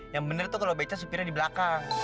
yang benar tuh kalau beca supirnya di belakang